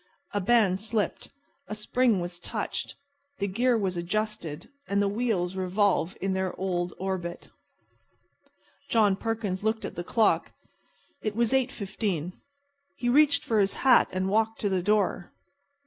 A band slipped, a spring was touched, the gear was adjusted and the wheels revolve in their old orbit. John Perkins looked at the clock. It was 8.15. He reached for his hat and walked to the door.